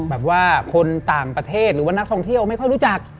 แบบว่าคนต่างประเทศหรือว่านักท่องเที่ยวไม่ค่อยรู้จัก